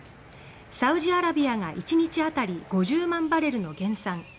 サウジアラビアが日量５０万バレルの減産。